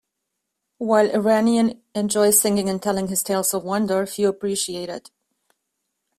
While Iranon enjoys singing and telling his tales of wonder, few appreciate it.